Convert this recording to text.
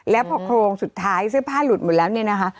แล้วพอโครงสุดท้ายเสื้อผ้าหลุดหมดแล้วเนี่ยนะคะ